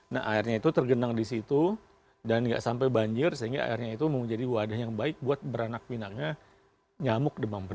nah airnya itu tergenang di situ dan nggak sampai banjir sehingga airnya itu menjadi wadah yang baik buat beranak pinangnya nyamuk demam besar